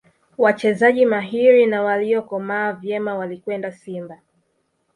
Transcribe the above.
wachezaji mahiri na waliyokomaa vyema walikwenda simba